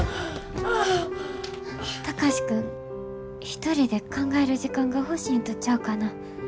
一人で考える時間が欲しいんとちゃうかな。